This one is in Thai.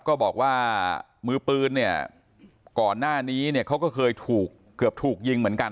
ก็บอกว่ามือปืนเนี่ยก่อนหน้านี้เนี่ยเขาก็เคยถูกเกือบถูกยิงเหมือนกัน